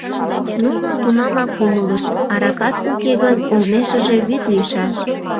Нуно тунамак умылышт — аракат уке гын, олмешыже вӱд лийшаш.